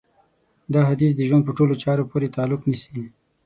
دا حديث د ژوند په ټولو چارو پورې تعلق نيسي.